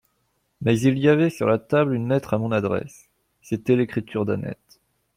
Mais il y avait sur la table une lettre à mon adresse ; c'était l'écriture d'Annette.